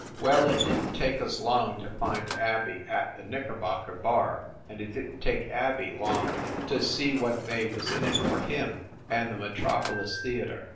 Well, it didn t take us long to find Abey at the Knickerbocker bar, and it didn t take Abey long to see what they was in it for him and the Metropolis Theater.